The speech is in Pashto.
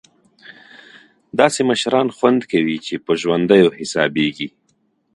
داسې مشران خوند کوي چې په ژوندیو حسابېږي.